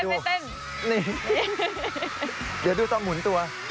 เดี๋ยวดูตอนหมุนตัว